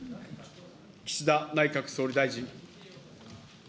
岸田内閣総理大臣。